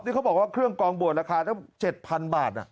เขาบอกว่าเครื่องกองบวชราคาตั้ง๗๐๐บาท